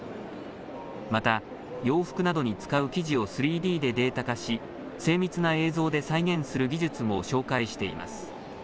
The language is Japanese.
また洋服などに使う生地を３Ｄでデータ化し精密な映像で再現する技術も紹介しています。